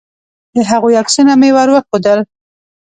د هغوی عکسونه مې ور وښودل.